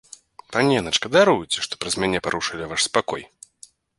Паненачка, даруйце, што праз мяне парушалі ваш спакой.